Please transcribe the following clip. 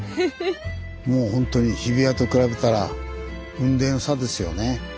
もうほんとに日比谷と比べたら雲泥の差ですよね。